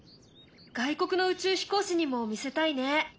外国の宇宙飛行士にも見せたいね。